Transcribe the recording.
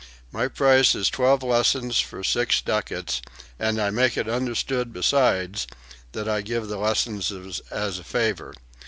My price is twelve lessons for six ducats, and I make it understood besides that I give the lessons as a favor.